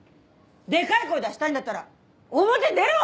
デカい声出したいんだったら表出ろ！